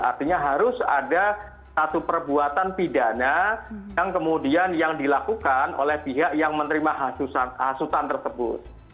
artinya harus ada satu perbuatan pidana yang kemudian yang dilakukan oleh pihak yang menerima hasutan tersebut